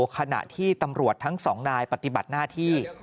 ขณะที่ตำรวจทั้งสองนายปฏิบัติหน้าที่